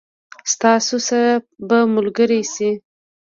ستاسو سره به ملګري شي.